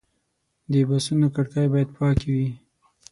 د بسونو کړکۍ باید پاکې وي.